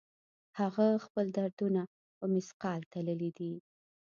هغه خپل دردونه په مثقال تللي دي